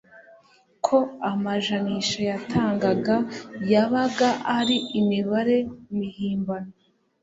ko amajanisha yatangaga yabaga ari imibare mihimbano